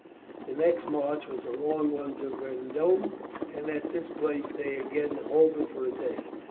The next march was a long one to Vendôme, and at this place they again halted for a day.